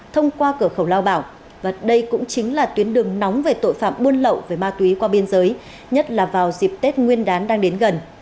thông qua cửa khẩu lao bảo và đây cũng chính là tuyến đường nóng về tội phạm buôn lậu về ma túy qua biên giới nhất là vào dịp tết nguyên đán đang đến gần